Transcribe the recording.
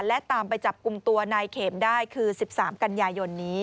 และตามไปจับกลุ่มตัวนายเข็มได้คือ๑๓กันยายนนี้